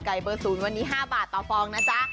เบอร์๐วันนี้๕บาทต่อฟองนะจ๊ะ